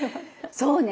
そうね。